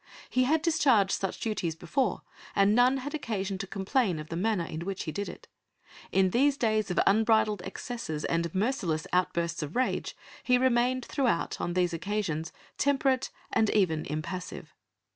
He had discharged such duties before and none had occasion to complain of the manner in which he did it. In these days of unbridled excesses and merciless outbursts of rage, he remained throughout on these occasions temperate and even impassive.